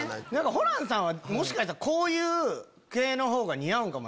ホランさんはもしかしたらこういう系のほうが似合うんかも。